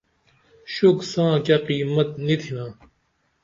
شوق ساں کیہ قیمت نی تِھنا